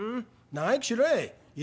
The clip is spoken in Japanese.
長生きしろやい。